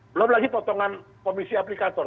belum lagi potongan komisi aplikator